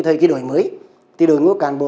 thời kỳ đổi mới thì đội ngũ cán bộ